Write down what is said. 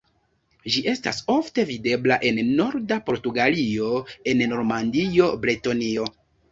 Ĝi estas ofte videbla en norda Portugalio, en Normandio, Bretonio.